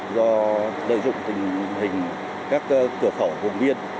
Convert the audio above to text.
do lợi dụng tình hình các cửa khẩu gồm liên